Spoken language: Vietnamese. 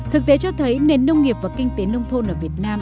thực tế cho thấy nền nông nghiệp và kinh tế nông thôn ở việt nam